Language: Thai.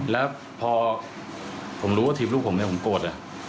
แล้วพอผมรู้ว่าทีมลูกผมเนี่ยผมโกรธ